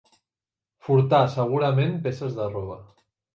Furtar, segurament peces de roba.